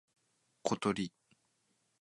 ことり